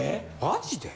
マジで？